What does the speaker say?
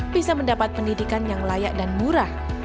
bisa mendapat pendidikan yang layak dan murah